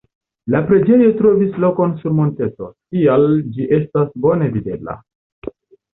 La preĝejo trovis lokon sur monteto, tial ĝi estas bone videbla.